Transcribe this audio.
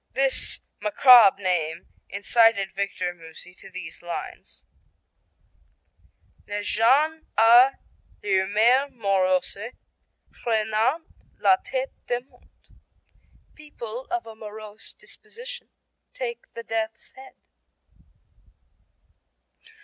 This macabre name incited Victor Meusy to these lines: Les gens à l'humeur morose Prennent la Tête de Mort. People of a morose disposition Take the Death's Head.